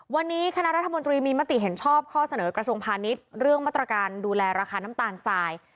วันนี้คณะรัฐมนตรีมีมติเห็นชอบข้อเสนอกระทรวงพาณิชย์เรื่องมาตรการดูแลราคาน้ำตาลทราย